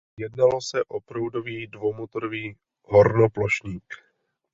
Jednalo se o proudový dvoumotorový hornoplošník.